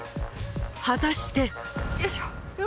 果たして。